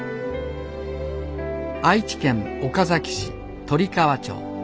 愛知県岡崎市鳥川町。